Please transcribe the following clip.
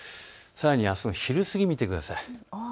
さらにあすの昼過ぎを見てください。